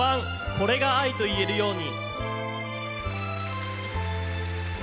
「これが愛と言えるように」。